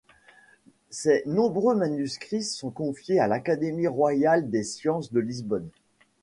Ses nombreux manuscrits sont confiés à l'Académie royale des sciences de Lisbonne.